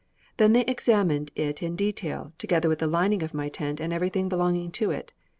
They then examined it in detail, together with the lining of my tent and everything belonging to it.